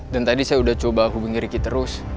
dan tadi saya udah coba hubungi riki terus